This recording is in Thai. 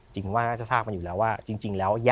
จริงแล้ว